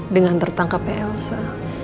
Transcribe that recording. dengan tertangkapnya elsa